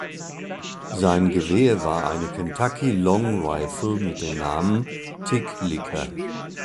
Sein Gewehr war eine Kentucky "Long Rifle" mit dem Namen "„Tick-Licker“".